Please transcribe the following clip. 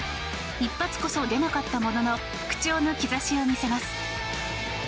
一発こそ出なかったものの復調の兆しを見せます。